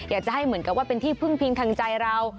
อยากจะให้เหมือนกับว่าเป็นที่พึ่งพิงทางใจเรา